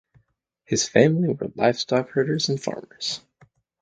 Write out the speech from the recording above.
His family were livestock herders and farmers.